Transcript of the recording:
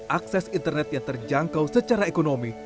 akses internet yang terjangkau secara ekonomi